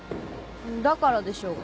だからでしょうが。